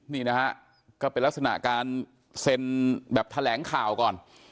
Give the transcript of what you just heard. นี่นะฮะก็เป็นลักษณะการเซ็นแบบแถลงข่าวก่อน